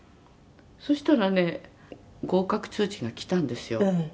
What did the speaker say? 「そうしたらね合格通知が来たんですよ」